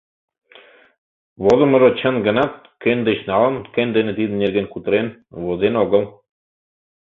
Возымыжо чын гынат, кӧн деч налын, кӧн дене тидын нерген кутырен — возен огыл.